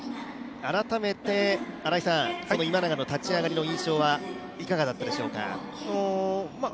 改めて新井さん、今永の立ち上がりの印象はいかがだったでしょうか。